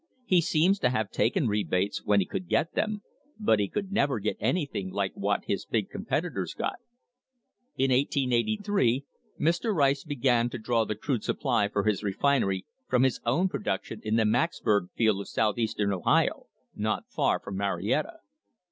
He seems to have taken rebates when he could get them, but he could never get anything like what his big competitors got. In 1883 Mr. Rice began to draw the crude supply for his refinery from his own production in the Macksburg field of Southeastern Ohio, not far from Marietta.